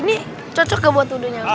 ini cocok gak buat udunya